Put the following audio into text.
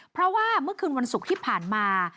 เพราะว่าเมื่อคืนวันศุกร์ที่ผ่านมา